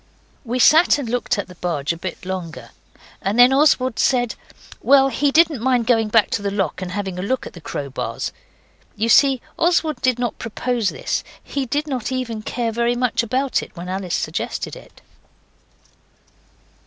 We sat and looked at the barge a bit longer, and then Oswald said, well, he didn't mind going back to the lock and having a look at the crowbars. You see Oswald did not propose this; he did not even care very much about it when Alice suggested it.